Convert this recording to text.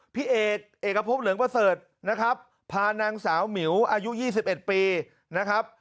พี่เอดเอกพบเหลืองประเสริฐพานางสาวหมิ๋วอายุ๒๑ปี